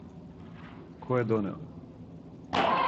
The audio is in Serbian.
Ко је донео?